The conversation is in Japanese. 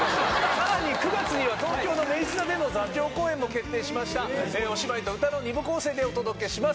さらに９月には東京の明治座での座長公演も決定しましたお芝居と歌の２部構成でお届けします